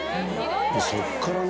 そっからね。